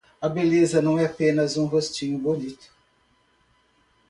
A beleza não é apenas um rostinho bonito.